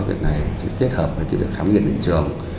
việc này kết hợp với khám nghiệm viện trường